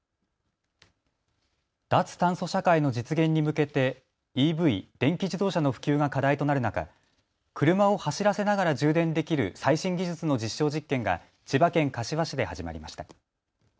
脱炭素社会の実現に向けてＥＶ・電気自動車の普及が課題となる中、車を走らせながら充電できる最新技術の実証実験が千葉県柏市で始まりました。